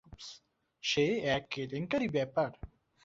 সে এক কেলেঙ্কারি ব্যাপার।